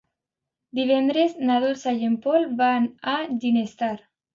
Divendres na Dolça i en Pol van a Ginestar.